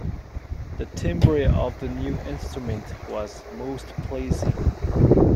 The timbre of the new instrument was most pleasing.